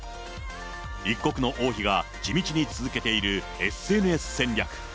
一国の王妃が地道に続けているＳＮＳ戦略。